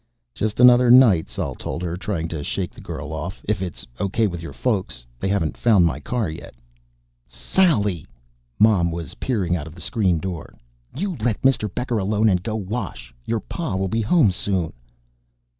"Just another night," Sol told her, trying to shake the girl off. "If it's okay with your folks. They haven't found my car yet." "Sally!" Mom was peering out of the screen door. "You let Mr. Becker alone and go wash. Your Pa will be home soon."